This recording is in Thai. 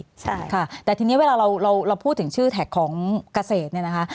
ใช่ค่ะแต่ทีนี้เวลาเราเราพูดถึงชื่อแท็กของเกษตรเนี่ยนะคะ